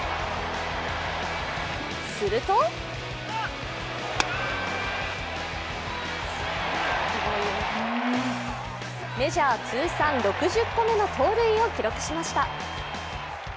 するとメジャー通算６０個目の盗塁を記録しました。